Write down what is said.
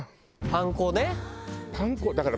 パン粉ね。